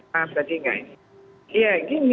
maaf berarti enggak ini